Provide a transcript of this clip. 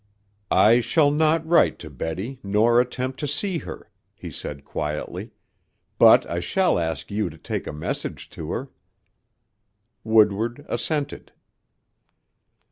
"I shall not write to Betty nor attempt to see her," he said quietly. "But I shall ask you to take a message to her." Woodward assented.